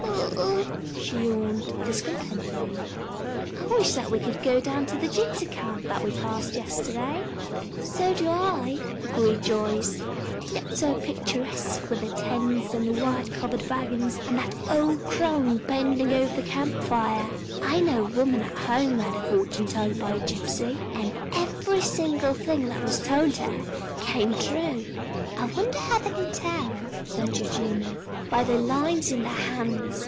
"Ho hum!" she yawned, discontently. "I wish that we could go down to the gypsy camp that we passed yesterday." "So do I," agreed Joyce. "It looked so picturesque with the tents and the white covered wagons, and that old crone bending over the camp fire. I know a woman at home who had her fortune told by a gypsy, and every single thing that was told her came true." "I wonder how they can tell," said Eugenia. "By the lines in their hands.